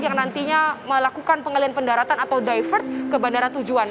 yang nantinya melakukan pengalian pendaratan atau divert ke bandara tujuan